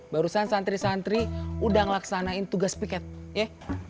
barusan santri santri udah ngelaksanain tugas piket ya